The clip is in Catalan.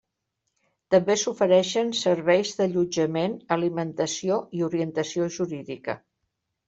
També s'ofereixen serveis d'allotjament, alimentació i orientació jurídica.